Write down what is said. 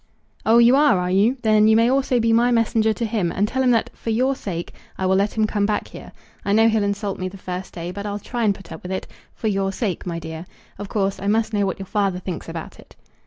"Oh, you are, are you? Then you may also be my messenger to him, and tell him that, for your sake, I will let him come back here. I know he'll insult me the first day; but I'll try and put up with it, for your sake, my dear. Of course I must know what your father thinks about it."